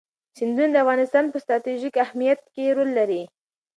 سیندونه د افغانستان په ستراتیژیک اهمیت کې رول لري.